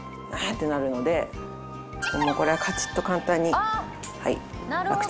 ってなるのでもうこれはカチッと簡単にはいラクチンに。